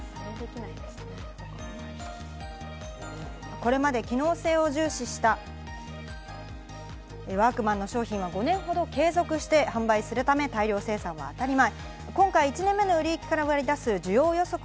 これまで機能性を重視した、ワークマンの商品は５年ほど継続して販売するため、大量生産は当たり前。